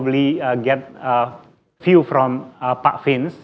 beberapa dari pak fins